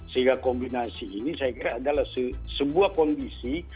sehingga kombinasi ini saya kira adalah sebuah kondisi